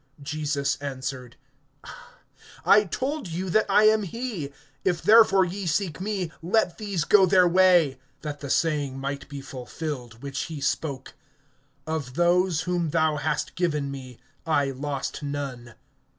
(8)Jesus answered: I told you that I am he; if therefore ye seek me, let these go their way; (9)that the saying might be fulfilled, which he spoke: Of those whom thou hast given me, I lost none.